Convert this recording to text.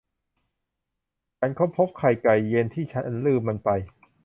ฉันค้นพบไข่ไก่เย็นที่ฉันลืมมันไป